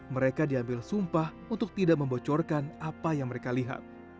mereka diambil sumpah untuk tidak membocorkan apa yang mereka lihat